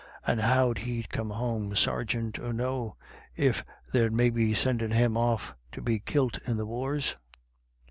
" And how'd he come home, seargint or no, if they're maybe sendin' him off to be kilt in the wars